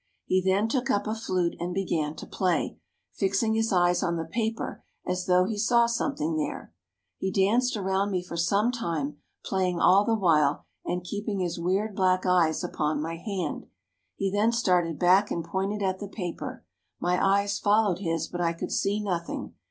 He then took up a flute and began to play, fixing his eyes on the paper as though he saw something there. He danced around me for some time, playing all the while, and keep ing his weird black eyes upon my hand. He then started THE CITIES OF INDIA 247 back and pointed at the paper. My eyes followed his, but I could see nothing.